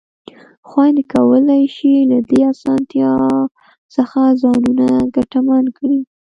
خویندې کولای شي له دې اسانتیا څخه ځانونه ګټمن کړي.